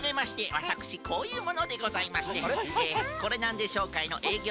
わたくしこういうものでございましてコレナンデ商会のえいぎょ